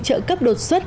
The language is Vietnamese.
trợ cấp đột xuất